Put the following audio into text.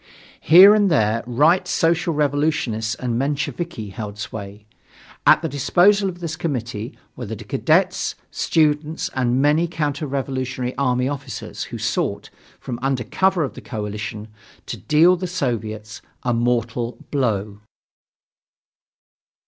Here and there Right Social Revolutionists and Mensheviki held sway. At the disposal of this committee were the cadets, students, and many counter revolutionary army officers, who sought, from under cover of the coalitions, to deal the Soviets a mortal blow.